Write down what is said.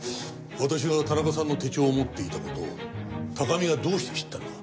私が田中さんの手帳を持っていた事を高見がどうして知ったのか。